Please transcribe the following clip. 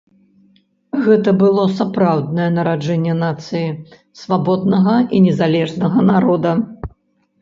Гэта было сапраўднае нараджэнне нацыі, свабоднага і незалежнага народа.